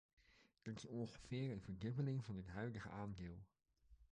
Dat is ongeveer een verdubbeling van het huidige aandeel.